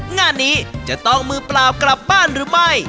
งานนี้จะต้องมือเปล่ากลับบ้านหรือไม่